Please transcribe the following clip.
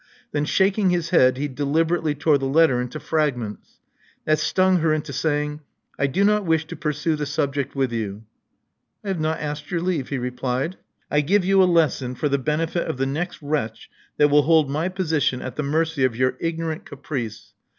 Then, shaking his head, he deliberately tore the letter into fragments. That stung her into saying: I do not wish to pursue the subject with you." I have not asked your leave," he replied. I give you a lesson for the benefit of the next wretch that will hold my position at the mercy of your ignorant caprice.